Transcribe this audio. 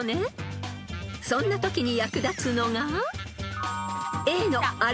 ［そんなときに役立つのが］